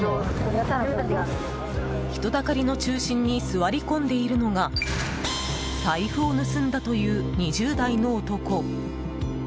人だかりの中心に座り込んでいるのが財布を盗んだという２０代の男。